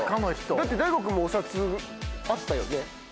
だってＤＡＩＧＯ君もお札あったよね？